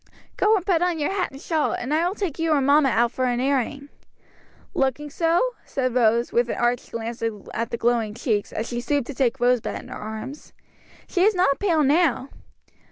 Go and put on your hat and shawl, and I will take you and mamma out for an airing?" "Looking so?" said Rose, with an arch glance at the glowing cheeks, as she stooped to take Rosebud in her arms, "she is not pale now."